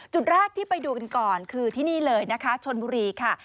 จุดแรกที่ไปดูกันก่อนคือที่นี่เลยนะคะชนบุรีค่ะ